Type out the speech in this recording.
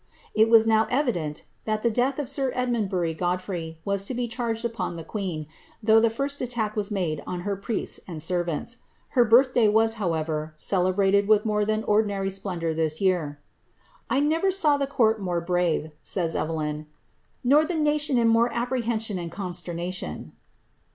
It was now evident that the death of sir Edmundbury Godfrey was to be charged upon the queen, though the first attack was made on her priests and servants. Her birth day wa^), however, celebrated with more than ordinary splendour this year. ^^ I never saw the court more brave,^' «avs Evelyn, ^ nor the nation in more apprehension and consternation."